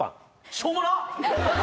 しょうもなっ。